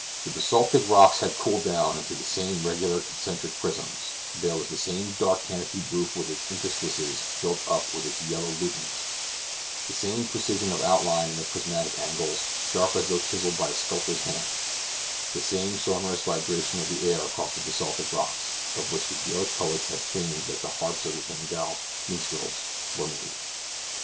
The basaltic rocks had cooled down into the same regular concentric prisms; there was the same dark canopied roof with its interstices filled up with its yellow lutings; the same precision of outline in the prismatic angles, sharp as though chiseled by a sculptor's hand; the same sonorous vibration of the air across the basaltic rocks, of which the Gaelic poets have feigned that the harps of the Fingal minstrelsy were made.